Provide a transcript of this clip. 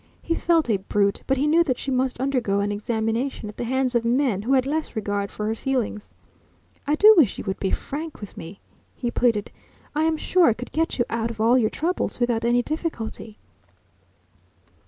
He felt a brute, but he knew that she must undergo an examination at the hands of men who had less regard for her feelings. "I do wish you would be frank with me," he pleaded. "I am sure I could get you out of all your troubles without any difficulty."